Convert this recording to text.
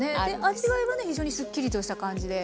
味わいはね非常にすっきりとした感じで。